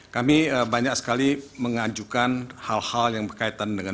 kami banyak sekali mengajukan hal hal yang berkaitan dengan